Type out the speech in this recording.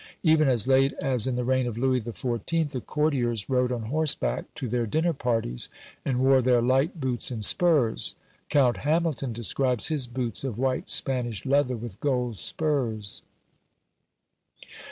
Even as late as in the reign of Louis XIV. the courtiers rode on horseback to their dinner parties, and wore their light boots and spurs. Count Hamilton describes his boots of white Spanish leather, with gold spurs.